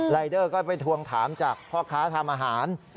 รายเดอร์ก็ไปทวงถามจากพ่อค้าทำอาหาร